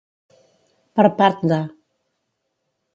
Per part de.